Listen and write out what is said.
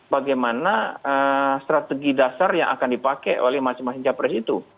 bagaimana strategi dasar yang akan dipakai oleh masing masing capres itu